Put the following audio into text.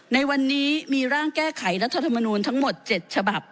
ในวันนี้มีร่างแก้ไขรัฐธรรมนูลทั้งหมด๗ฉบับ